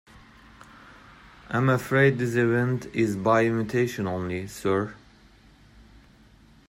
I'm afraid this event is by invitation only, sir.